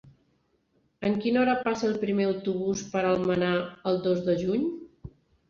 A quina hora passa el primer autobús per Almenar el dos de juny?